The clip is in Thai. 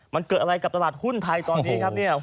มันเกิดอะไรกับตลาดหุ้นไทยตอนนี้ครับเนี่ย